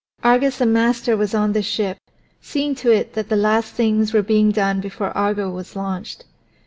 Argus the master was on the ship, seeing to it that the last things were being done before Argo was launched.